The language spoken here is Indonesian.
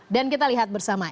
dan kita lihat bersama